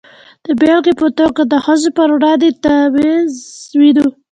د بېلګې په توګه د ښځو پر وړاندې تبعیض وینو.